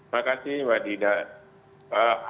terima kasih wadidah